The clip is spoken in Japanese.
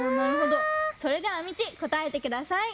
それではミチこたえてください。